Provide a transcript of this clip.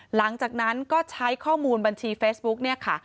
หลังจากนั้นก็ใช้ข้อมูลบัญชีเฟซบุ๊กเนี่ยค่ะ